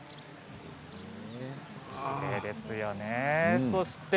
きれいですよね。